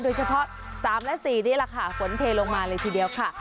โดยเฉพาะ๓และ๔นี่แหละค่ะฝนเทลงมาเลยทีเดียวค่ะ